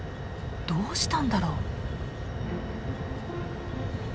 どうしたんだろ？